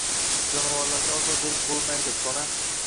Jonivorlarga ozor berib bo‘lmaydi, bolam.